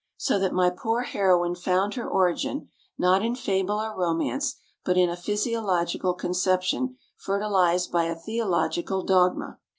So that my poor heroine found her origin, not in fable or romance, but in a physiological conception fertilized by a theological dogma.